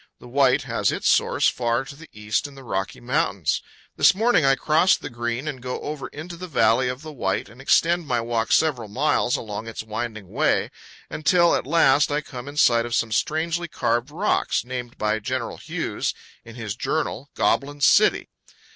The White has its source far to the east in the Rocky Mountains. This morning I cross the Green and go over into the valley of the White and extend my walk several miles along its winding way, until at last I come in sight of some strangely carved rocks, named by General Hughes, in his journal, "Goblin City."